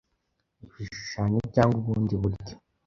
ibishushanyo cyangwa ubundi buryo